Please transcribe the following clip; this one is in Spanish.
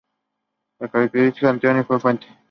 Fue catedrático de Ateneo Fuente.